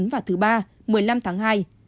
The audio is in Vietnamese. vào thứ ba một mươi năm tháng hai